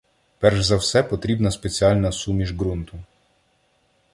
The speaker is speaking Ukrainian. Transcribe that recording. Перш за все потрібна спеціальна суміш ґрунту.